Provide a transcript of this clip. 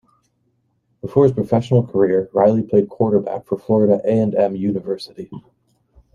Before his professional career, Riley played quarterback for Florida A and M University.